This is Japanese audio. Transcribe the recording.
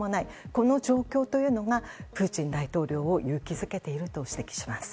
この状況というのがプーチン大統領を勇気づけていると指摘します。